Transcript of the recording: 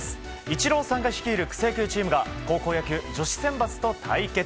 イチローさんが率いる草野球チームが高校野球女子選抜と対決。